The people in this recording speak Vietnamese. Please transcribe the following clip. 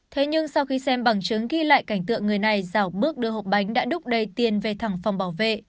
thế nhưng sau khi xem bằng chứng ghi lại cảnh tượng người này giảo bước đưa hộp bánh đã đúc đầy tiền về thẳng phòng bảo vệ